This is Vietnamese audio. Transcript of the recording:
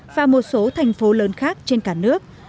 và một số thành phố lớn khác trên cả nước